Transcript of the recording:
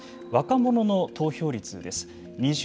若者の投票率です。